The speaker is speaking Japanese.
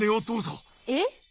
えっ！